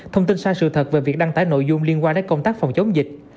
thông tin sai sự thật về việc đăng tải nội dung liên quan đến công tác phòng chống dịch